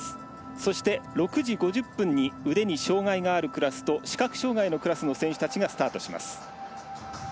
そして、６時５０分に腕に障がいのあるクラスと視覚障がいのクラスの選手たちがスタートします。